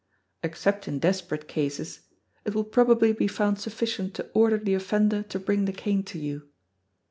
Except in desperate cases "it will probably be found sufficient to order the offender to bring the cane to you."